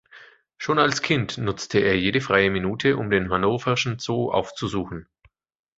Schon als Kind nutzte er jede freie Minute, um den hannoverschen Zoo aufzusuchen.